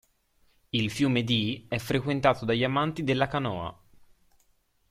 Il fiume Dee è frequentato dagli amanti della canoa.